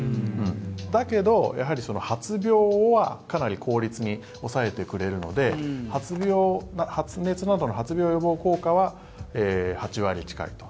だけど発病はかなり抑えてくれるので発熱などの発病予防効果は８割近いと。